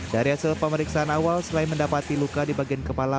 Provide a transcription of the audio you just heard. dari hasil pemeriksaan awal selain mendapati luka di bagian kepala